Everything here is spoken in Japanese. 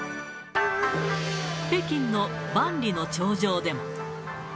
北京の万里の長城でも。